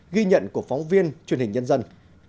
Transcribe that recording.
ghi nhận của phóng viên truyền hình nhân dân